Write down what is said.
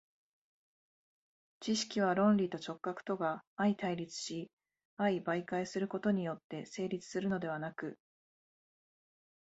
知識は論理と直覚とが相対立し相媒介することによって成立するのではなく、